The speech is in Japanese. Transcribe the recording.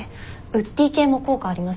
ウッディ系も効果ありますよ。